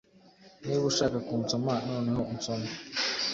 Niba ushaka kunsoma, noneho unsome.